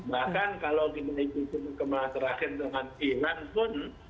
bahkan kalau kita ikut kemasrakan dengan iran pun